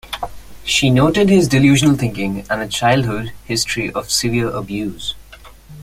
She noted his delusional thinking and a childhood history of severe abuse.